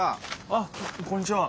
あっこんにちは！